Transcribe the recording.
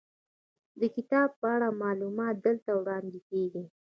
د کتاب په اړه معلومات دلته وړاندې کیږي.